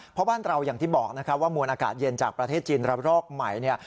เพราะบ้านเราอย่างที่บอกนะครับว่ามวลอากาศเย็นจากประเทศจีนระรอกใหม่เนี่ย